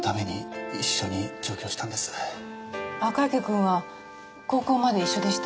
赤池くんは高校まで一緒でした。